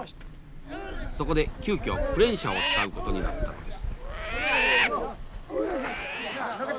そこで急きょクレーン車を使うことになったのです。